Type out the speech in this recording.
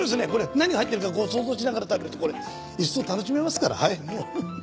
何が入ってるか想像しながら食べるとこれ一層楽しめますからはい。